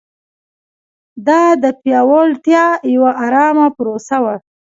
دا د پیاوړتیا یوه ارامه پروسه وه.